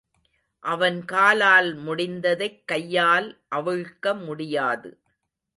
அவன் காலால் முடிந்ததைக் கையால் அவிழ்க்க முடியாது.